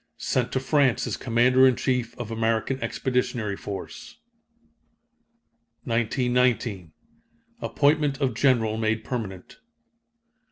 Sent to France as commander in chief of American Expeditionary Force. 1919. Appointment of general made permanent.